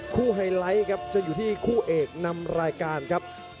ไฮไลท์ครับจะอยู่ที่คู่เอกนำรายการครับ